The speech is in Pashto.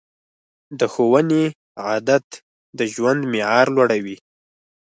د ښوونې عادت د ژوند معیار لوړوي.